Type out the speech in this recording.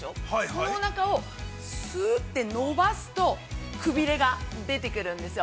このおなかをすうっと、伸ばすと、くびれが、出てくるんですよ。